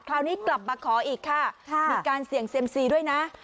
คราวนี้กลับมาขออีกค่ะมีการเสี่ยงเซียมซีด้วยนะ